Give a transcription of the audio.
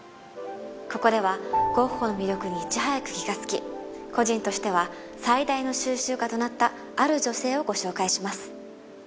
ここではゴッホの魅力にいち早く気がつき個人としては最大の収集家となったある女性をご紹介します